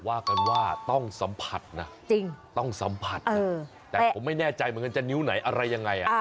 ว่ากันว่าต้องสัมผัสนะต้องสัมผัสนะแต่ผมไม่แน่ใจเหมือนกันจะนิ้วไหนอะไรยังไง